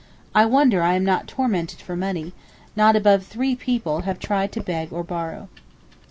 I wonder I am not tormented for money—not above three people have tried to beg or borrow.